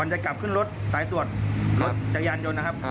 ก่อนจะกลับขึ้นรถสายตรวจรถคังยันยดนะครับ